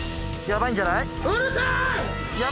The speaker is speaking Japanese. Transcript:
ヤバいんじゃない？